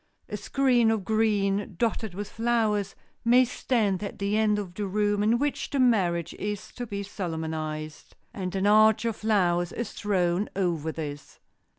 A screen of green, dotted with flowers, may stand at the end of the room in which the marriage is to be solemnized, and an arch of flowers is thrown over this.